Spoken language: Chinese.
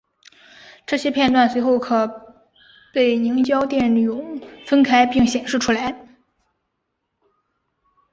这些片断随后可被凝胶电泳分开并显示出来。